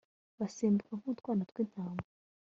basimbuka nk'utwana tw'intama